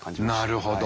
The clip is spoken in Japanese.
なるほど。